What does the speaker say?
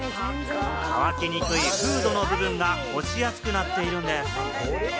乾きにくいフードの部分が干しやすくなっているんです。